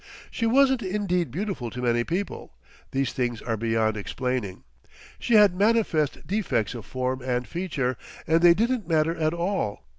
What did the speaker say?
She wasn't indeed beautiful to many people—these things are beyond explaining. She had manifest defects of form and feature, and they didn't matter at all.